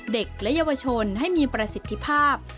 เด็กและเยาวชนให้มีประสิทธิภาพ